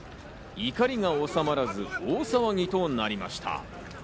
怒りは収まらず、大騒ぎとなりました。